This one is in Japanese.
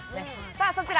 さあそちら